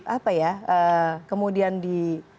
apa ya kemudian di